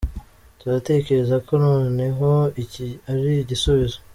Turatekereza ko noneho iki ari igisubizo”.